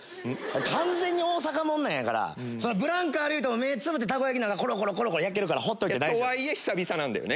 完全に大阪もんなんやからブランクあるいうても目つぶってたこ焼きなんかコロコロコロコロ焼けるからほっといて大丈夫。とはいえ久々なんだよね？